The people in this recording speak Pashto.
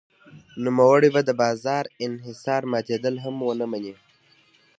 نوموړی به د بازار انحصار ماتېدل هم ونه مني.